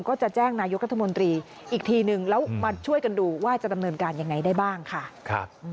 ก็จะแจ้งนายกัธมนตรีอีกทีหนึ่งแล้วมาช่วยกันดูว่าจะทำเนินการสิ่งที่ปรุงเป็นอย่างไงได้บ้าง